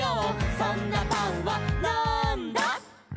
「そんなパンはなんだ？」